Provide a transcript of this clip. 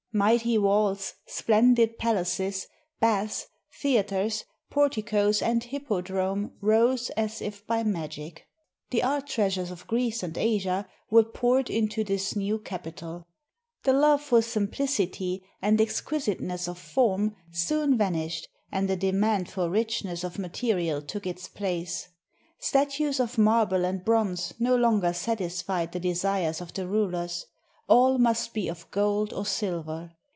Mighty walls, splendid palaces, baths, theaters, porticoes, and hippodrome rose as if by magic. The art treasures of Greece and Asia were poured into this new capital. The love for simplicity and exquisiteness of form soon vanished, and a demand for richness of material took its place. Statues of marble and bronze no longer satisfied the desires of the rulers; all must be of gold or silver.